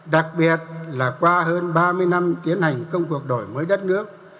đặc biệt là qua hơn ba mươi năm tiến hành công cuộc đổi mới đất nước